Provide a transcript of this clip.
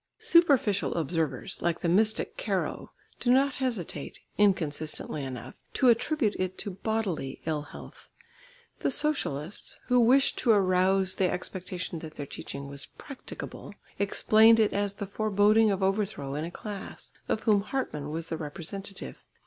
Superficial observers like the mystic Caro, do not hesitate, inconsistently enough, to attribute it to bodily ill health. The socialists, who wished to arouse the expectation that their teaching was practicable, explained it as the foreboding of overthrow in a class, of whom Hartmann was the representative.